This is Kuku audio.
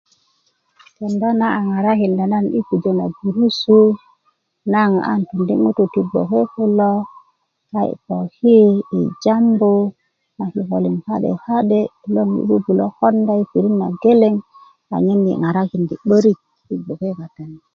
kenda na a ŋarakinda nan i pujö na gurusu naŋ a tindi ŋutuu ti bgwoke kulo a yi poki yi jambu na kikölin ka'de ka'de loŋ yi bubulö komda yi pirit na geleŋ anyen yi' ŋarakinda 'börik yi gboke kata ni